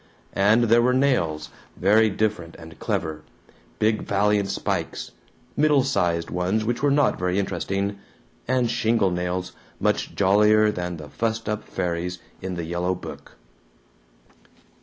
And there were nails, very different and clever big valiant spikes, middle sized ones which were not very interesting, and shingle nails much jollier than the fussed up fairies in the yellow book.